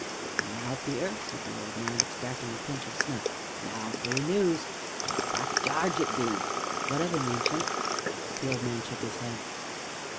"An' now, Peter," said the old man, extracting a pinch of snuff, "now for the noos 'bout Black Jarge, it be." "What of him, Ancient?" The old man shook his head.